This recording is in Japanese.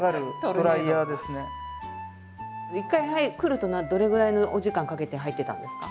一回来るとどれぐらいのお時間かけて入ってたんですか？